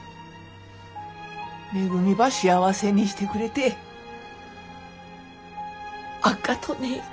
めぐみば幸せにしてくれてあっがとね。